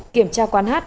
kiểm tra quán hát